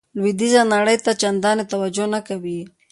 لویدیځې نړۍ ته چندانې توجه نه کوي.